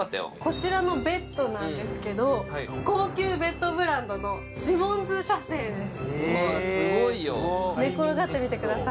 こちらのベッドなんですけれども高級ベッドブランドのシモンズ社製です。